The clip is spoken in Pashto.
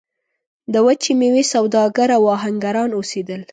د وچې میوې سوداګر او اهنګران اوسېدل.